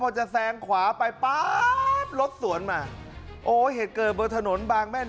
พอจะแซงขวาไปป๊าบรถสวนมาโอ้เหตุเกิดบนถนนบางแม่น้ำ